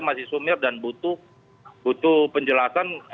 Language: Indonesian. masih sumir dan butuh penjelasan